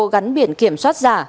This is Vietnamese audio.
gắn biển kiểm soát giả